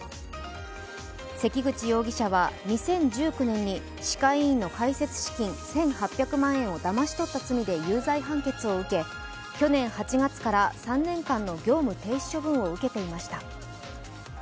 関口容疑者は２０１９年に歯科医院の開設資金１８００万円をだまし取った罪で有罪判決を受け去年８月から３年間の業務停止処分を受けていました。